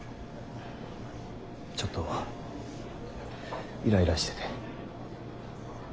ちょっとイライラしてて。